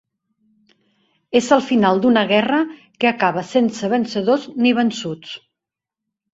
És el final d'una guerra que acaba sense vencedors ni vençuts.